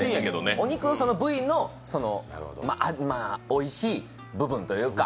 お肉の部位のおいしい部分というか。